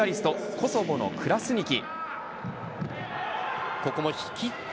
コソボのクラスニキ。